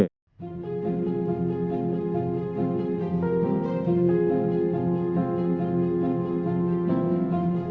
terima kasih pak